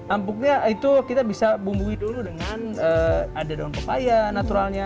empuknya itu kita bisa bumbui dulu dengan ada daun pepaya naturalnya